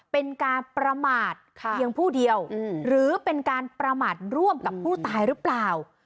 เป็นการประมาทเพียงผู้เดียวหรือเป็นการประมาทร่วมกับผู้ตายหรือเปล่า